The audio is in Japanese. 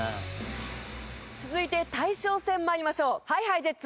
続いて大将戦参りましょう。ＨｉＨｉＪｅｔｓ